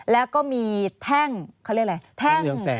แล้วก็มีแท่งเขาเรียกอะไรแท่ง